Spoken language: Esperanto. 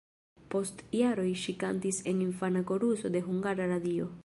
Post jaroj ŝi kantis en infana koruso de Hungara Radio.